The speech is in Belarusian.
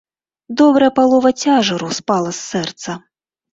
Добрая палова цяжару спала з сэрца.